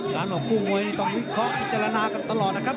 ออกคู่มวยนี่ต้องวิเคราะห์พิจารณากันตลอดนะครับ